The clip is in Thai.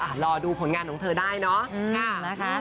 รอดูผลงานของเธอได้เนาะ